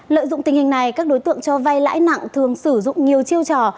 lợi dụng tình hình này các đối tượng cho vay lãi nặng thường sử dụng nhiều chiêu trò